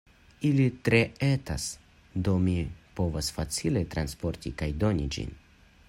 Ili tre etas, do mi povas facile transporti kaj doni ĝin.